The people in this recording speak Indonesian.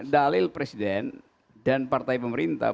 dalil presiden dan partai pemerintah